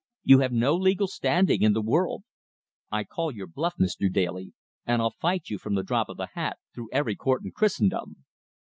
You have no legal standing in the world. I call your bluff, Mr. Daly, and I'll fight you from the drop of the hat through every court in Christendom."